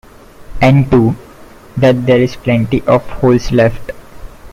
And two, that there's plenty of holes left.